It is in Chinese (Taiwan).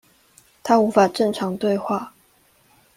他無法正常對話